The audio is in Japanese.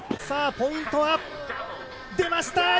ポイントは、出ました！